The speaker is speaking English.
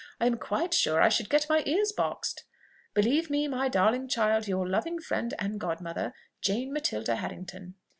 I am quite sure I should get my ears boxed. "Believe me, darling child, "Your loving friend and godmother, "JANE MATILDA HARRINGTON."